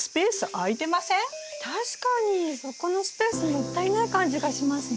確かにそこのスペースもったいない感じがしますね。